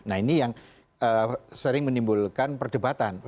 nah ini yang sering menimbulkan perdebatan